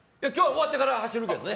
終わってから走るけどね。